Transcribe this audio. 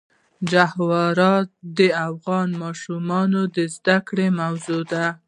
جواهرات د افغان ماشومانو د زده کړې موضوع ده.